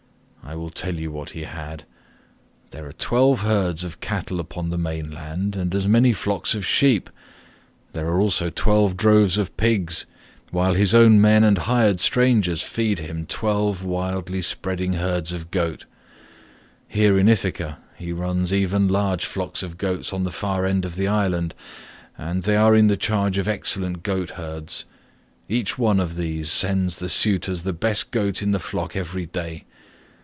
I will tell you what he had. There are twelve herds of cattle upon the main land, and as many flocks of sheep, there are also twelve droves of pigs, while his own men and hired strangers feed him twelve widely spreading herds of goats. Here in Ithaca he runs even large flocks of goats on the far end of the island, and they are in the charge of excellent goat herds. Each one of these sends the suitors the best goat in the flock every day.